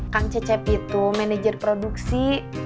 kang cecep itu manajer produksi